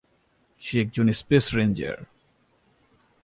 সে একজন space ranger.